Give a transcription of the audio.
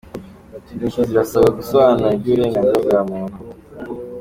Intiti zirasabwa gusobanura iby’uburenganzira bwa muntu